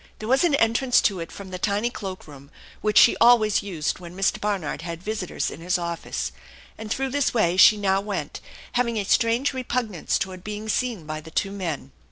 There was an entrance to it from the tiny cloak room, which she always used when Mr. Barnard had visitors in his office, and through this way she now went, having a strange repugnance toward being seen by the two men.